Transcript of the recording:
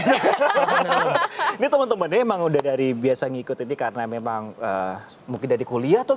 ini teman temannya emang udah dari biasa ngikut ini karena memang mungkin dari kuliah tuh